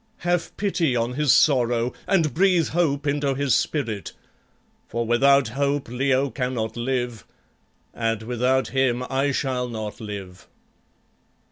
Have pity on his sorrow and breathe hope into his spirit, for without hope Leo cannot live, and without him I shall not live."